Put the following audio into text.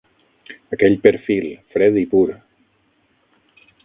Aquell perfil, fred i pur.